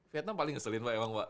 vietnam paling ngeselin pak ya